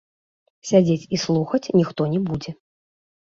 Сядзець і слухаць ніхто не будзе.